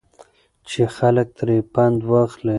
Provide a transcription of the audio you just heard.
چې خلک ترې پند واخلي.